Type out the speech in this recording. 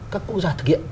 các quốc gia thực hiện